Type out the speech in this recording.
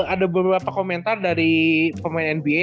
ada beberapa komentar dari pemain nba